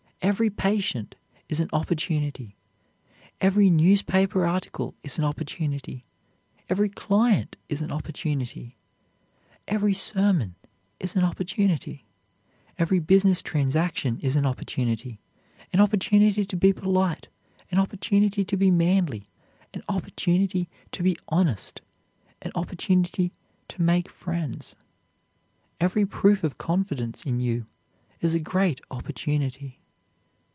Every patient is an opportunity. Every newspaper article is an opportunity. Every client is an opportunity. Every sermon is an opportunity. Every business transaction is an opportunity, an opportunity to be polite, an opportunity to be manly, an opportunity to be honest, an opportunity to make friends. Every proof of confidence in you is a great opportunity.